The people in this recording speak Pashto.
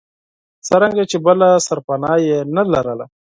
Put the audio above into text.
څرنګه چې بله سرپناه یې نه درلوده.